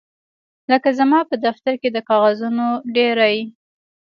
لکه زما په دفتر کې د کاغذونو ډیرۍ